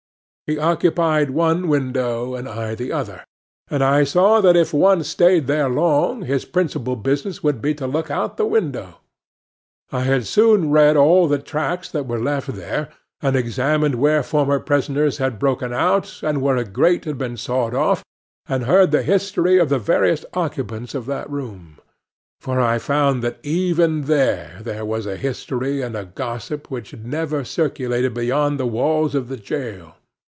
He occupied one window, and I the other; and I saw, that, if one stayed there long, his principal business would be to look out the window. I had soon read all the tracts that were left there, and examined where former prisoners had broken out, and where a grate had been sawed off, and heard the history of the various occupants of that room; for I found that even here there was a history and a gossip which never circulated beyond the walls of the jail.